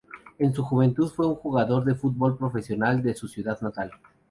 En su juventud fue un jugador de fútbol profesional de su ciudad natal.